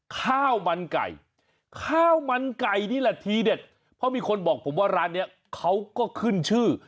ข้าวมันไก่ข้าวมันไก่นี่แหละทีเด็ดเพราะมีคนบอกผมว่าร้านนี้เขาก็ขึ้นชื่อ